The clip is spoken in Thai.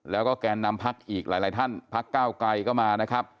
แล้วก็แกนนำพักอีกหลายท่านพักเก้าไกลก็มานะครับ